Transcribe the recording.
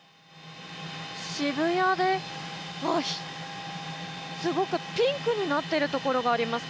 渋谷で、すごくピンクになっているところがあります。